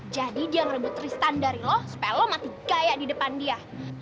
jadi dia ngerebut tristan dari lo supaya lo mati kaya di depan dia